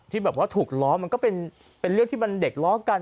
ที่แบบว่าถูกล้อมันก็เป็นเรื่องที่มันเด็กล้อกัน